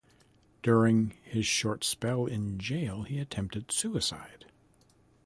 During his short spell in jail, he attempted suicide.